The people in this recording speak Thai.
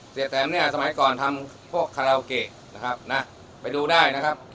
แตมเนี่ยสมัยก่อนทำพวกคาราโอเกะนะครับนะไปดูได้นะครับ